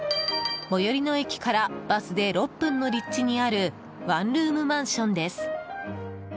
最寄りの駅からバスで６分の立地にあるワンルームマンションです。